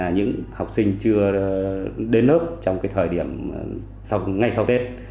những học sinh chưa đến lớp trong thời điểm ngay sau tết